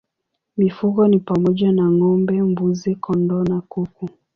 Mifugo ni pamoja na ng'ombe, mbuzi, kondoo na kuku.